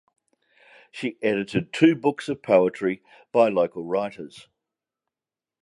She edited two books of poetry by local writers.